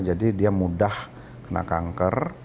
jadi dia mudah kena kanker